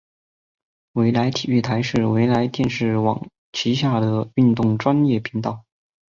纬来体育台是纬来电视网旗下的运动专业频道。